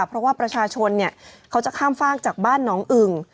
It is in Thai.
เพราะว่าประชาชนเขาจะข้ามฟากจากบ้านน้องอึ่ง